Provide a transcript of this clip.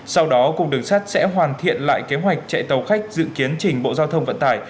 sau đó cùng đường sắt sẽ hoàn thiện lại kế hoạch chạy tàu khách dự kiến trình bộ giao thông vận tải